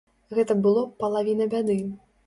Гэта было б палавіна бяды.